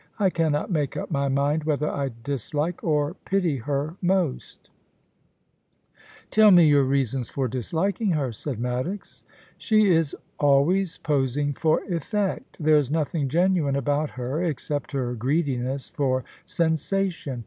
I cannot make up my mind whether I dislike or pity her most' * Tell me your reasons for disliking her,' said Maddox. * She is always posing for effect There is nothing genuine about her except her greediness for sensation.